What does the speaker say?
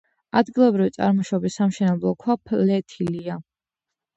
ადგილობრივი წარმოშობის სამშენებლო ქვა ფლეთილია.